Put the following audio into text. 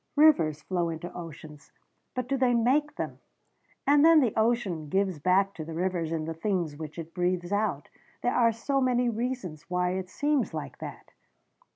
Rivers flow into oceans but do they make them? And then the ocean gives back to the rivers in the things which it breathes out. There are so many reasons why it seems like that."